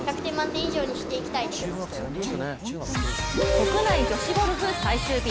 国内女子ゴルフ最終日。